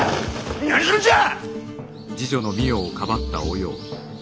何するんじゃ！